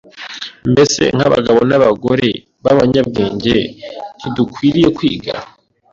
Mbese nk’abagabo n’abagore b’abanyabwenge ntidukwiriye kwiga